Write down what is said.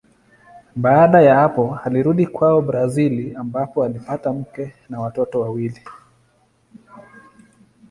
Baada ya hapo alirudi kwao Brazili ambapo alipata mke na watoto wawili.